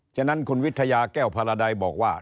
ฉะนั้นคุณวิทยาแก้วพาราดัยบอกว่า